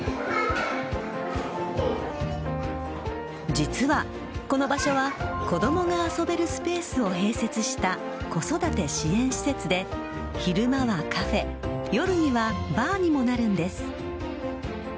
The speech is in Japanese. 実はこの場所は子供が遊べるスペースを併設した子育て支援施設で昼間はカフェ夜にはバーにもなるんです。